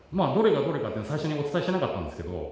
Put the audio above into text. どれがどれかって最初にお伝えしてなかったんですけど。